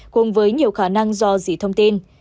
cùng với nhiều khả năng do dị thông tin